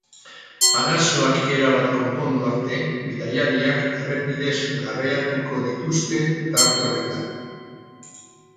Arazoak erabat konpondu arte, bidaiariak errepidez garraiatuko dituzte tarte horretan.